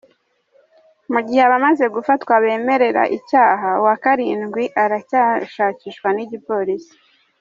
Mu gihe abamaze gufatwa bemerera icyaha, uwa karindwi aracyashakishwa n’igipolisi.